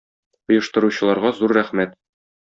Оештыручыларга зур рәхмәт.